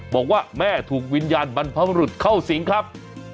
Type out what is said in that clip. บอกว่าแม่ถูกวิญญาณบรรพบรุษเข้าสิงครับ